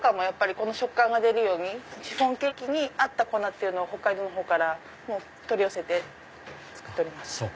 この食感が出るようにシフォンケーキに合った粉を北海道のほうから取り寄せて作っております。